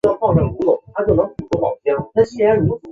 婚后他们再诞下一女。